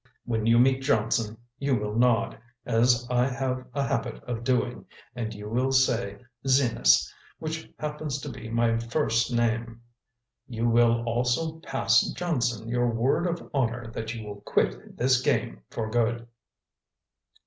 When you meet Johnson, you will nod, as I have a habit of doing, and you will say 'Zenas,' which happens to be my first name. You will also pass Johnson your word of honor that you will quit this game for good."